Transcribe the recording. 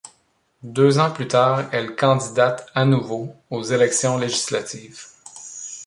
Deux ans plus tard, elle candidate à nouveau aux élections législatives.